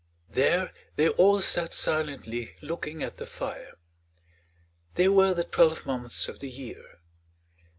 There they all sat silently looking at the fire. They were the twelve months of the year.